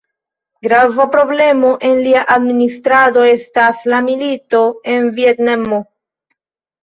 Grava problemo en lia administrado estas la milito en Vjetnamo.